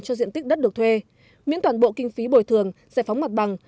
cho diện tích đất được thuê miễn toàn bộ kinh phí bồi thường giải phóng mặt bằng